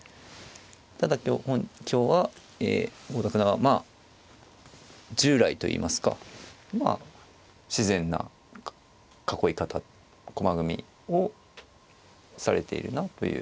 ただ今日は郷田九段はまあ従来といいますかまあ自然な囲い方駒組みをされているなという印象ですね。